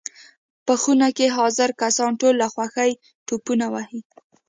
په خونه کې حاضر کسان ټول له خوښۍ ټوپونه وهي.